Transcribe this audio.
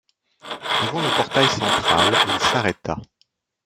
Devant le portail central, il s’arrêta.